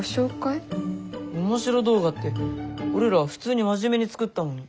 オモシロ動画って俺ら普通に真面目に作ったのに。